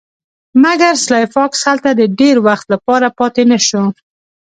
مګر سلای فاکس هلته د ډیر وخت لپاره پاتې نشو